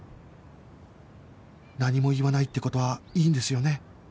何も言わないって事はいいんですよね？